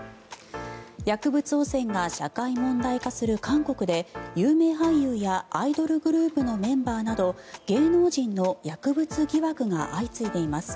薬物汚染が社会問題化する韓国で有名俳優やアイドルグループのメンバーなど芸能人の薬物疑惑が相次いでいます。